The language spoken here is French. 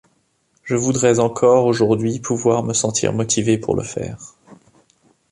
Je voudrais encore aujourd'hui pouvoir me sentir motivé pour le faire.